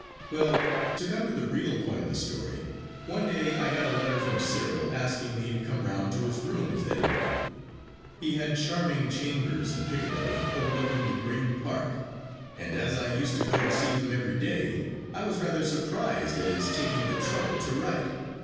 'Well, to come to the real point of the story, one day I got a letter from Cyril asking me to come round to his rooms that evening. He had charming chambers in Piccadilly overlooking the Green Park, and as I used to go to see him every day, I was rather surprised at his taking the trouble to write.